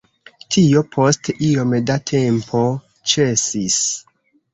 Tio post iom da tempo ĉesis.